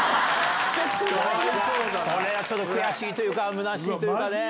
それは悔しいというかむなしいというかね。